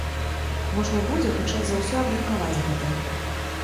Можна будзе, хутчэй за ўсё, абмеркаваць гэта.